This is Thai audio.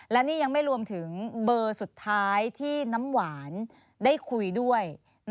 และนี่ยังไม่รวมถึงเบอร์สุดท้ายที่น้ำหวานได้คุยด้วย